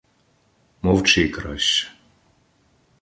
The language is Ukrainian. Мовчи краще.